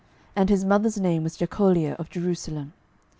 And his mother's name was Jecholiah of Jerusalem.